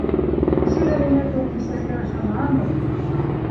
Кеше Ғәлимә кеүек бисәләргә ышанамы?